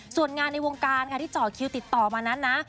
ส่วนงานในวงการค่ะที่เจาะคิวติดต่อมานั้นนะ